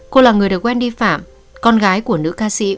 cô là người được quen vi phạm con gái của nữ ca sĩ